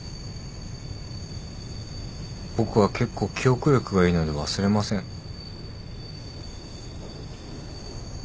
僕は結構記憶力がいいので忘れません。